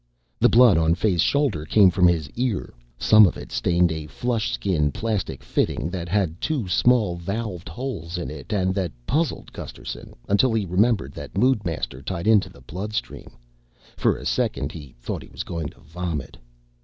The blood on Fay's shoulder came from his ear. Some of it stained a flush skin plastic fitting that had two small valved holes in it and that puzzled Gusterson until he remembered that Moodmaster tied into the bloodstream. For a second he thought he was going to vomit.